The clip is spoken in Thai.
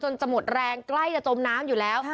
จะหมดแรงใกล้จะจมน้ำอยู่แล้ว